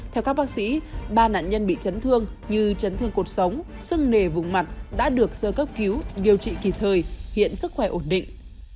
theo các bác sĩ ba nạn nhân bị chấn thương như chấn thương cuộc sống sưng nề vùng mặt đã được sơ cấp cứu điều trị kịp thời hiện sức khỏe ổn định